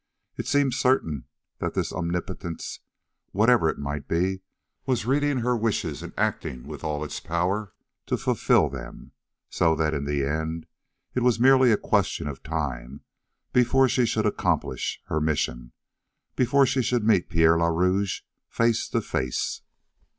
It seemed certain that this omnipotence, whatever it might be, was reading her wishes and acting with all its power to fulfill them, so that in the end it was merely a question of time before she should accomplish her mission before she should meet Pierre le Rouge face to face.